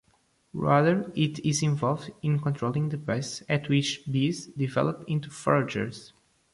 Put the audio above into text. Rather it is involved in controlling the pace at which bees develop into foragers.